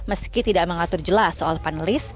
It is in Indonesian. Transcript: meski tidak mengatur jelas soal panelis